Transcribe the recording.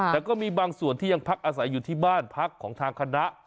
แต่ก็มีบางส่วนที่ยังพักอาศัยอยู่ที่บ้านพักของทางคณะ